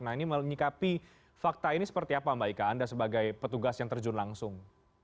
nah ini menyikapi fakta ini seperti apa mbak ika anda sebagai petugas yang terjun langsung